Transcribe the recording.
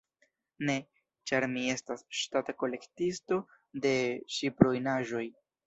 Ne, ĉar mi estas ŝtata kolektisto de ŝipruinaĵoj.